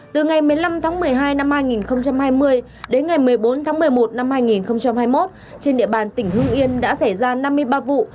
từ ngày một mươi năm tháng một mươi hai năm hai nghìn hai mươi đến ngày một mươi bốn tháng một mươi một năm hai nghìn hai mươi một trên địa bàn tỉnh hương yên đã xảy ra năm mươi ba vụ